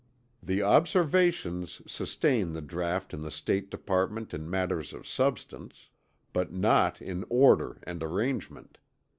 The Observations sustain the draught in the State Department in matters of substance, but not in order and arrangement.